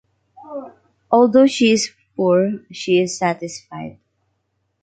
Although she is poor, she is satisfied.